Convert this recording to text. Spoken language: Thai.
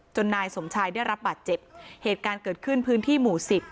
นายสมชายได้รับบาดเจ็บเหตุการณ์เกิดขึ้นพื้นที่หมู่สิบ